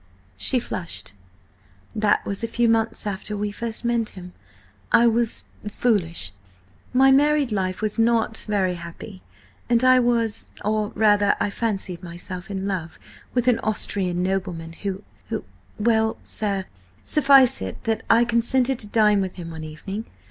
She flushed. "That was a few months after we first met him. I was–foolish; my married life was not–very happy, and I was–or, rather, I fancied myself–in love with an Austrian nobleman, who–who–well, sir, suffice it that I consented to dine with him one evening.